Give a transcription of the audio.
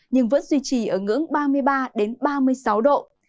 nhưng vẫn duy trì ở ngưỡng ba mươi ba ba mươi sáu độ